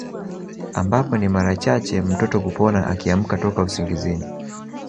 Ambapo ni mara chache mtoto kupona akiamka toka usingizini